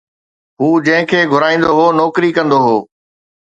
هو جنهن کي گهرائيندو هو، نوڪري ڪندو هو